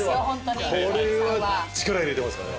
これは力入れてますから。